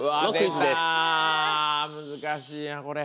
難しいなこれ。